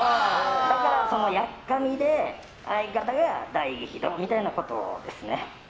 だから、やっかみで相方が大激怒みたいなことですね。